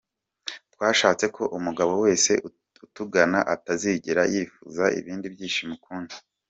Twashatse ko umugabo wese utugana atazigera yifuza ibindi byishimo ukundi.